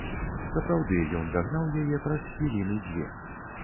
Сапраўды, ён дагнаў яе праз хвіліны дзве.